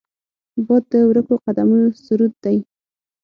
باد د ورکو قدمونو سرود دی